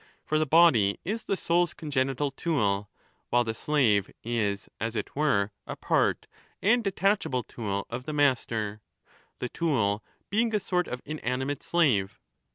For the body is the soul's congenital tool, while the slave is as it were a part and detachable tool of the master, the tool being a sort of inanimate slave.